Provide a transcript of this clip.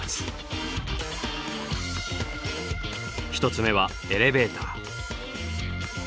１つ目はエレベーター。